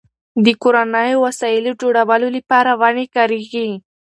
د کورنیو وسایلو جوړولو لپاره ونې کارېږي.